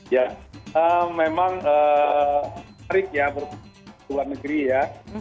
ya memang menarik ya berpikir dari luar negeri ya